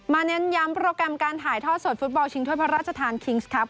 เน้นย้ำโปรแกรมการถ่ายทอดสดฟุตบอลชิงถ้วยพระราชทานคิงส์ครับ